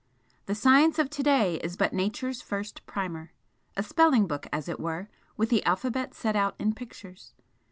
The science of to day is but Nature's first primer a spelling book as it were, with the alphabet set out in pictures.